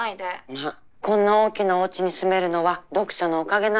まあこんな大きなおうちに住めるのは読者のおかげなのよ？